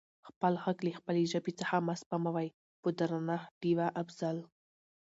خپل غږ له خپلې ژبې څخه مه سپموٸ په درنښت ډیوه افضل🙏